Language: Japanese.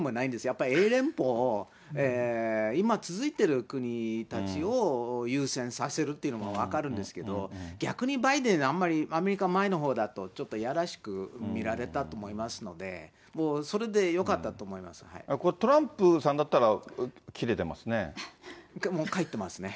やっぱり英連邦、今続いている国たちを優先させるっていうのも分かるんですけど、逆にバイデン、あんまり、アメリカも前のほうだと、ちょっといやらしく見られたと思いますので、もうそれでよかったこれ、トランプさんだったら、もう帰ってますね。